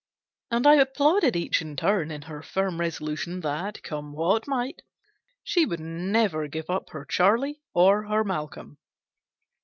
And I applauded each in turn in her firm resolution that, come what might, she would never give up her Charlie or her Malcolm.